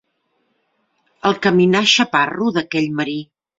El caminar xaparro d'aquell marí.